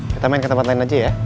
kita main ke tempat lain aja ya